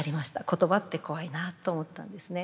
言葉って怖いなと思ったんですね。